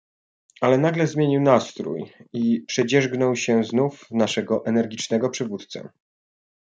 "Ale nagle zmienił nastrój i przedzierzgnął się znów w naszego energicznego przywódcę."